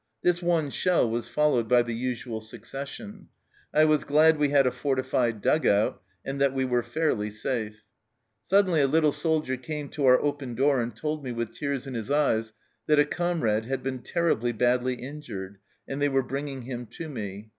This one shell was followed by the usual succession ; I was glad we had a fortified dug out, and that we were fairly safe. " Suddenly a little soldier came to our open door and told me, with tears in his eyes, that a comrade had been terribly badly injured, and they were bringing him to me.